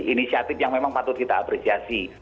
jadi itu adalah yang harus kita apresiasi